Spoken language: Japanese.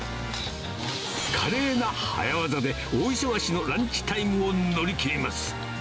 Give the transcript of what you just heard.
華麗な早業で、大忙しのランチタイムを乗り切ります。